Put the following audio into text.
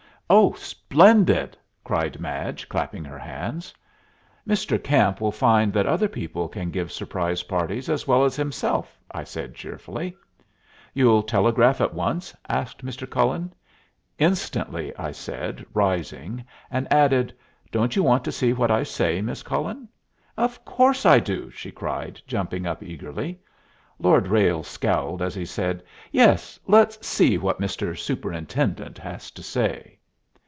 "Oh, splendid!" cried Madge, clapping her hands. "Mr. Camp will find that other people can give surprise parties as well as himself," I said cheerfully. "You'll telegraph at once?" asked Mr. Cullen. "Instantly," I said, rising, and added, "Don't you want to see what I say, Miss Cullen?" "Of course I do," she cried, jumping up eagerly. Lord Ralles scowled as he said, "Yes; let's see what Mr. Superintendent has to say."